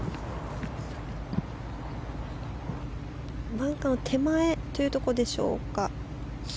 バンカー手前というところでしょうか。